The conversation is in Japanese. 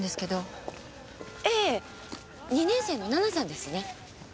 ２年生の奈々さんですね。